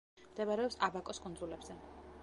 მდებარეობს აბაკოს კუნძულებზე.